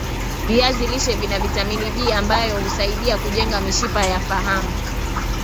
viazi lishe Vina vitamini B ambayo husaidia kujenga mishipa ya faham